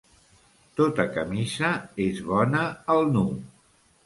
Tota camisa és bona al nu.